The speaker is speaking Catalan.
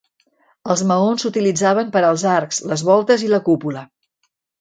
Els maons s'utilitzaven per als arcs, les voltes i la cúpula.